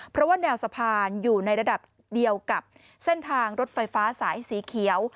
เพราะว่าแนวสะพานอยู่ในระดับเดียวกับเส้นทางรถไฟฟ้าสายสีเขียว